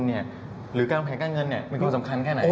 หรือการวางแผนการเงินมีความสำคัญแค่ไหน